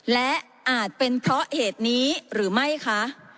และอาจเป็นเพราะเหตุนี้หรือไม่คะ